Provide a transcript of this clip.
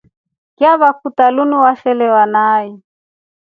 Chava kutaa linu washelewa nai?